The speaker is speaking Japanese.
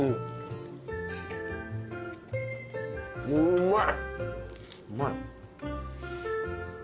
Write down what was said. うまい！